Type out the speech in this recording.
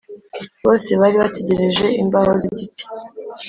bose bari bategereje imbaho z igiti